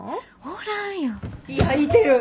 おらんよ。